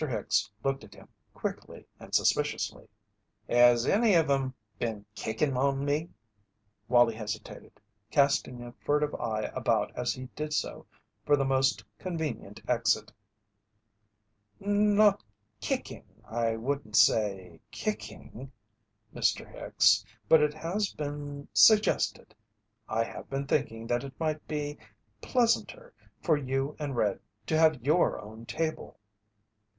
Hicks looked at him quickly and suspiciously. "Has any of 'em been kickin' on me?" Wallie hesitated, casting a furtive eye about as he did so for the most convenient exit. "Not kicking, I wouldn't say kicking, Mr. Hicks, but it has been suggested I have been thinking that it might be pleasanter for you and Red to have your own table."